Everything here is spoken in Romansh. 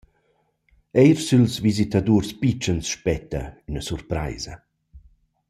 Eir süls visitaduors pitschens spetta üna surpraisa.